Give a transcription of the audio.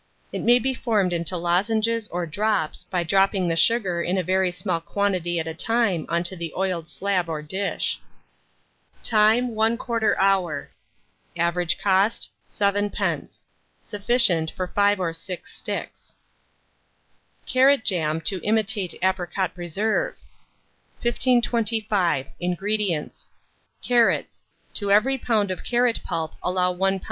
It may be formed into lozenges or drops, by dropping the sugar in a very small quantity at a time on to the oiled slab or dish. Time. 1/4 hour. Average cost, 7d. Sufficient for 5 or 6 sticks. CARROT JAM TO IMITATE APRICOT PRESERVE. 1525. INGREDIENTS. Carrots; to every lb. of carrot pulp allow 1 lb.